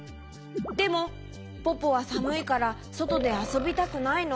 でもポポはさむいからそとであそびたくないの。